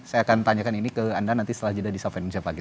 saya akan tanyakan ini ke anda nanti setelah jeda disalvanin siapa lagi